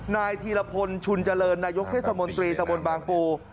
นายธีรพลชุนเจริญนายกเทศมนตรีตะบนบางปู